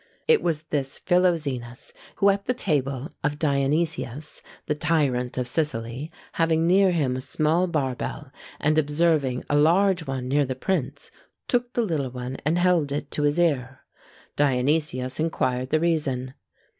It was this Philoxenus, who, at the table of Dionysius, the tyrant of Sicily, having near him a small barbel, and observing a large one near the prince, took the little one, and held it to his ear. Dionysius inquired the reason.